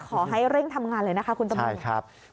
ขอให้เร่งทำงานเลยนะคะคุณตำรวจครับ